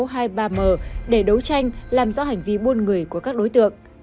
đó là bí số sáu trăm hai mươi ba m để đấu tranh làm rõ hành vi buôn người của các đối tượng